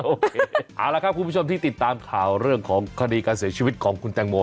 โอเคเอาละครับคุณผู้ชมที่ติดตามข่าวเรื่องของคดีการเสียชีวิตของคุณแตงโม